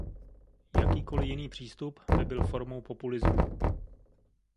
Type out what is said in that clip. Jakýkoli jiný přístup by byl formou populismu.